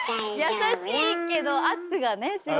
優しいけど圧がねすごい。